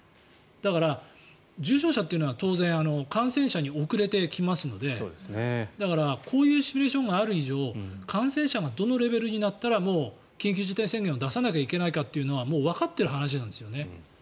だから、重症者というのは当然、感染者に遅れてきますのでこういうシミュレーションがある以上感染者がどのレベルになったら緊急事態宣言を出さなきゃいけないのかはもうわかっている話なんですね。